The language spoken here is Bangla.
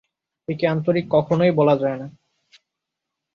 একে আন্তরিক কখনোই বলা যায় না।